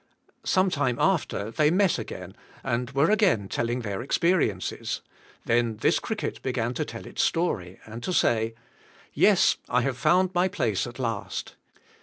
Sometime after they met ag^ain and were again telling* their experiences; then this cricket be g an to tell its story and to say, ''Yes, I have found my place at last.